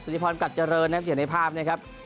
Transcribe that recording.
ริพรกัดเจริญนะครับเสียงในภาพนะครับ